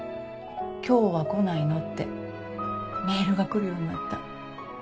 今日は来ないの？ってメールが来るようになった毎日。